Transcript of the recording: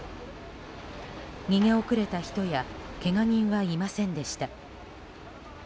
逃げ遅れた人やけが人はいませんでした。